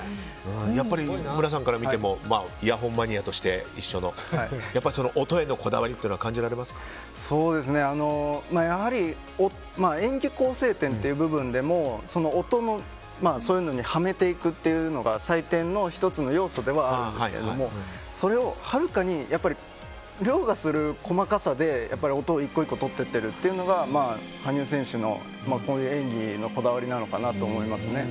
やっぱり無良さんから見てもイヤホンマニアとして一緒の音へのこだわりというのは演技構成点という部分でも音のそういうのにはめていくっていうのが採点の１つの要素ではあるんですけどもそれをはるかに凌駕する細かさで音を１個１個取っていっているのが羽生選手の演技のこだわりなのかなと思いますね。